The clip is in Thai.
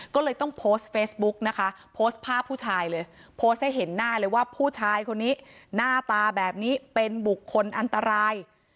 ก็เลยต้องโพสต์เฟซบุ๊กนะคะโพสต์ภาพผู้ชายเลยโพสต์ให้เห็นหน้าเลยว่าผู้ชายคนนี้หน้าตาแบบนี้เป็นบุคคลอันตราย